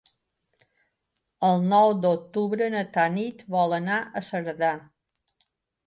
El nou d'octubre na Tanit vol anar a Cerdà.